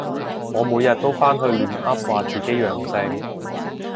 我每日都返去亂噏話自己陽性